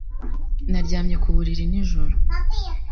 Naryamye ku buriri nijoro.